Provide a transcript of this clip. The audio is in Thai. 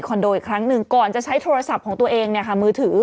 ขนโดอีกครั้งนึงก่อนจะใช้โทรศัพท์ของตัวเองเนี่ยค่ะ